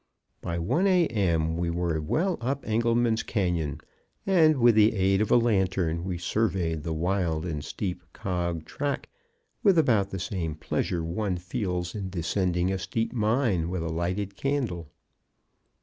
By 1 a. m. we were well up Engleman's Canyon and with the aid of a lantern we surveyed the wild and steep cog track with about the same pleasure one feels in descending a deep mine with a lighted candle.